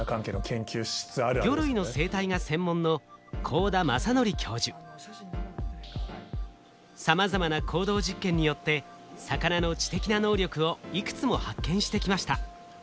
魚類の生態が専門のさまざまな行動実験によって魚の知的な能力をいくつも発見してきました。